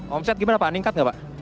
omset gimana pak ningkat gak pak